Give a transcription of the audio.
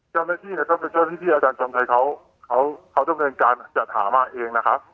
เจ้าหน้าที่แล้วก็เป็นเจ้าหน้าที่ที่อาจารย์จอมชัยเขาดำเนินการจัดหามาเองนะครับ